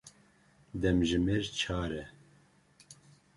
Demjimêr çar e.